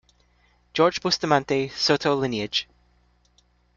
Jorge Bustamante, Soto lineage.